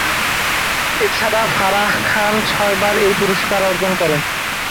এছাড়া ফারাহ খান ছয়বার এই পুরস্কার অর্জন করেন।